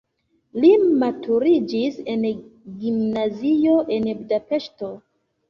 Li maturiĝis en gimnazio en Budapeŝto.